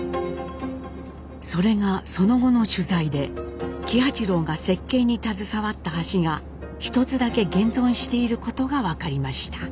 それがその後の取材で喜八郎が設計に携わった橋が一つだけ現存していることが分かりました。